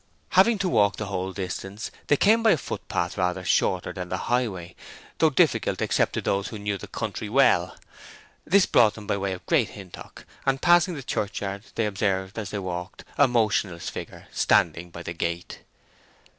Having to walk the whole distance they came by a foot path rather shorter than the highway, though difficult except to those who knew the country well. This brought them by way of Great Hintock; and passing the church yard they observed, as they talked, a motionless figure standing by the gate.